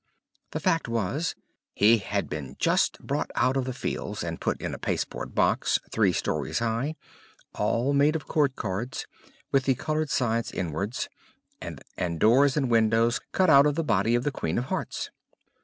The fact was, he had been just brought out of the fields, and put in a pasteboard house, three stories high, all made of court cards, with the colored side inwards; and doors and windows cut out of the body of the Queen of Hearts.